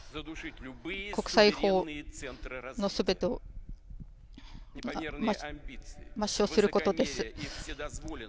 国際法の全てを抹消することです。